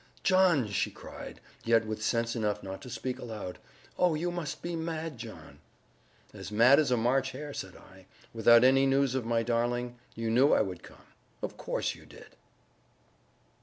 "John!" she cried, yet with sense enough not to speak aloud; "oh, you must be mad, John!" "As mad as a March hare," said I, "without any news of my darling. You knew I would come of course you did."